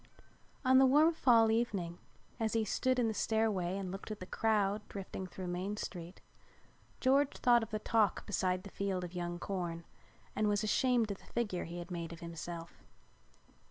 On the warm fall evening as he stood in the stairway and looked at the crowd drifting through Main Street, George thought of the talk beside the field of young corn and was ashamed of the figure he had made of himself.